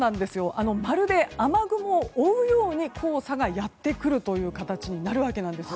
まるで雨雲を覆うように黄砂がやってくる形になるんです。